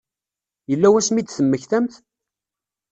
Yella wasmi i d-temmektamt?